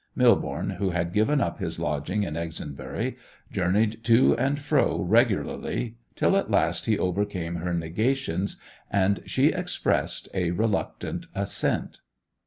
Millborne, who had given up his lodging in Exonbury, journeyed to and fro regularly, till at last he overcame her negations, and she expressed a reluctant assent.